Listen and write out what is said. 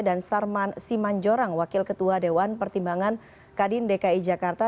sarman simanjorang wakil ketua dewan pertimbangan kadin dki jakarta